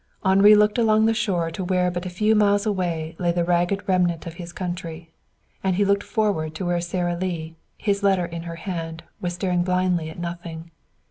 Henri looked along the shore to where but a few miles away lay the ragged remnant of his country. And he looked forward to where Sara Lee, his letter in her hand, was staring blindly at nothing.